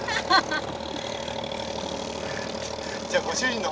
ハハハ。